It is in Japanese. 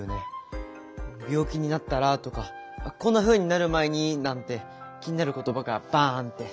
「病気になったら？」とか「こんなふうになる前に！」なんて気になることばがバン！って。